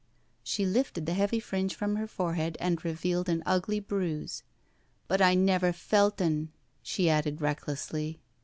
She lifted the heavy fringe from her forehead and revealed an ugly bruise. '* But I never felt un/' she added recklessly.